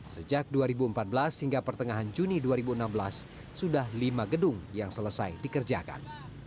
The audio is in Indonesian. sejak dua ribu empat belas hingga pertengahan juni dua ribu enam belas sudah lima gedung yang selesai dikerjakan